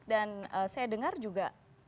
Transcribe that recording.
dan saya dengar juga